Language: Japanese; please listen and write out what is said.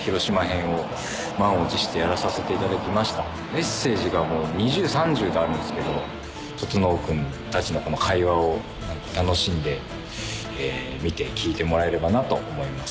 メッセージがもう２０３０とあるんですけど整君たちのこの会話を楽しんで見て聞いてもらえればなと思います。